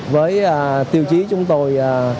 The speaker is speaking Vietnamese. với tiêu chí chúng tôi